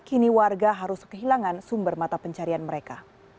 kini warga harus kehilangan sumber mata pencarian mereka